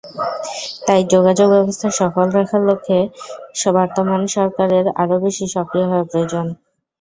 তাই যোগাযোগব্যবস্থা সচল রাখার লক্ষ্যে বর্তমান সরকারের আরও বেশি সক্রিয় হওয়া প্রয়োজন।